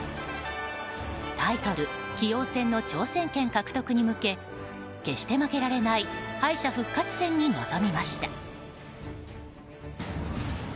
タイトル棋王戦の挑戦権獲得に向け決して負けられない敗者復活戦に臨みました。